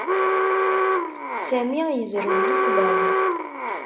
Sami yezrew Lislam.